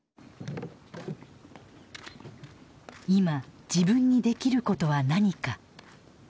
今自分にできることは何か。